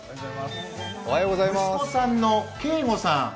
息子さんの圭吾さん。